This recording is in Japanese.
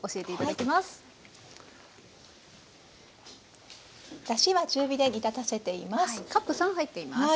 だしは中火で煮立たせています。